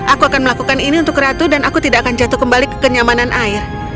aku akan melakukan ini untuk ratu dan aku tidak akan jatuh kembali ke kenyamanan air